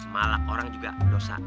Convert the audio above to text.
malak orang juga dosa